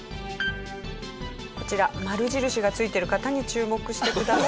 こちら丸印がついてる方に注目してください。